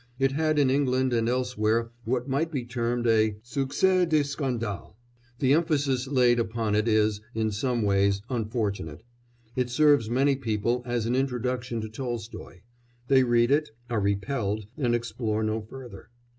It had in England and elsewhere what might be termed a succès de scandale. The emphasis laid upon it is, in some ways, unfortunate; it serves many people as an introduction to Tolstoy; they read it, are repelled, and explore no further.